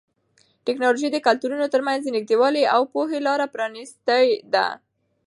ټیکنالوژي د کلتورونو ترمنځ د نږدېوالي او پوهې لاره پرانیستې ده.